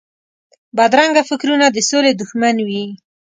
بدرنګه فکرونه د سولې دښمن وي